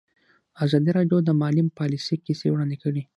ازادي راډیو د مالي پالیسي کیسې وړاندې کړي.